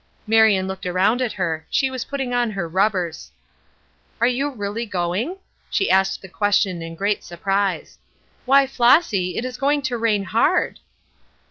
Marion looked around at her. She was putting on her rubbers. "Are you really going?" She asked the question in great surprise. "Why, Flossy, it is going to rain hard!"